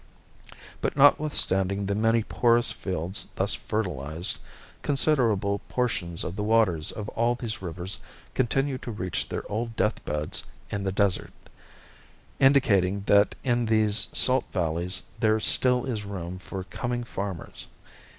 But notwithstanding the many porous fields thus fertilized, considerable portions of the waters of all these rivers continue to reach their old deathbeds in the desert, indicating that in these salt valleys there still is room for coming farmers.